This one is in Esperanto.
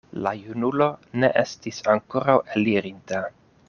La junulo ne estis ankoraŭ elirinta.